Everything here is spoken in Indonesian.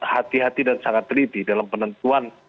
hati hati dan sangat teliti dalam penentuan